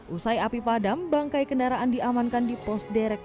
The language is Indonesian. usai api padam bangkai kendaraan diamankan di pos derek